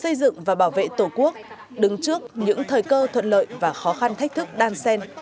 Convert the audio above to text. xây dựng và bảo vệ tổ quốc đứng trước những thời cơ thuận lợi và khó khăn thách thức đan sen